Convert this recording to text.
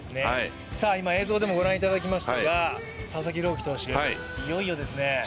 今、映像でもご覧いただきましたが、佐々木朗希投手、いよいよですね。